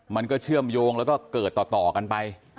มันก็เชื่อมโยงแล้วก็เกิดต่อกันไป